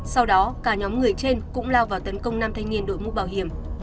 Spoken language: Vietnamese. sau đó cả nhóm người trên cũng lao vào tấn công năm thanh niên đội mũ bảo hiểm